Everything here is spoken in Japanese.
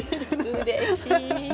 うれしい。